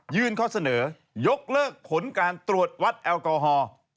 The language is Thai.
ข้อเสนอยกเลิกผลการตรวจวัดแอลกอฮอล์